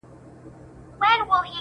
سترگي لكه دوې ډېوې,